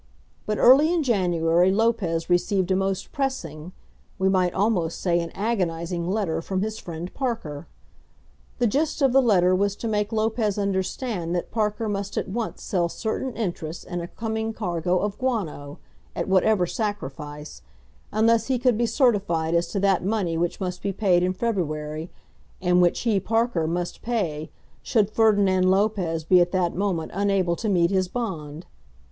But early in January Lopez received a most pressing, we might almost say an agonising letter from his friend Parker. The gist of the letter was to make Lopez understand that Parker must at once sell certain interests in a coming cargo of guano, at whatever sacrifice, unless he could be certified as to that money which must be paid in February, and which he, Parker, must pay, should Ferdinand Lopez be at that moment unable to meet his bond.